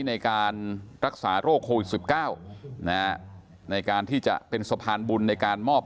ในการรักษาโรคโควิด๑๙นะฮะในการที่จะเป็นสะพานบุญในการมอบ